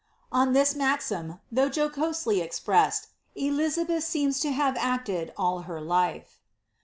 On this ma\im, though jocosel} presseil, Elizabeth seems to have acted all her life.